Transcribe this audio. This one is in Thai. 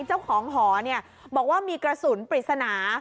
เจ้าของหอเนี่ยบอกว่ามีกระศุนย์ปริศนา